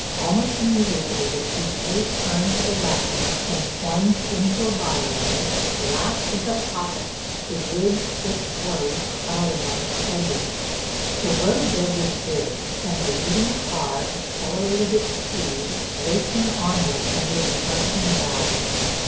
Almost immediately the coupé turned to the left, and plunged into a by way, black as a pocket, the woods' thick growth crowding on its edges. The roadbed was good and the leading car accelerated its speed racing onward under the arching boughs.